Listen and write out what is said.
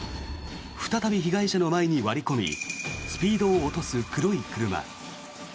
再び被害者の前に割り込みスピードを落とす黒い車。